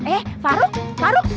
eh faruk faruk